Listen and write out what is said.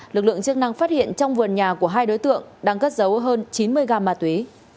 lực lượng chức năng phát hiện trong vườn nhà của hai đối tượng đang cất giấu hơn chín mươi gam ma túy